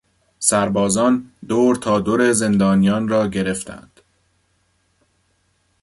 سربازان دور تا دور زندانیان را گرفتند.